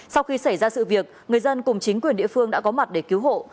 sau khi xảy ra sự việc người dân cùng chính quyền địa phương đã có mặt để cứu hộ